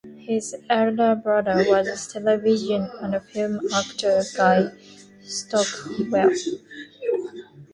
His elder brother was television and film actor Guy Stockwell.